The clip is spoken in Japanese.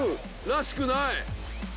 らしくない！